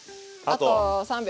あと３秒。